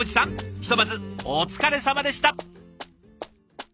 ひとまずお疲れさまでした！